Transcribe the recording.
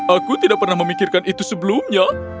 aku tidak pernah memikirkan itu sebelumnya